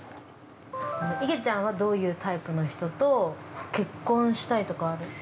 ◆いげちゃんは、どういうタイプの人と結婚したいとかある？